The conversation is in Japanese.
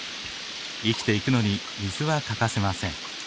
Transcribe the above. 生きていくのに水は欠かせません。